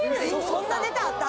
そんなネタあった？